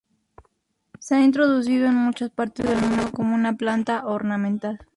Se ha introducido en muchas partes del mundo como una planta ornamental.